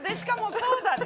そうだよね。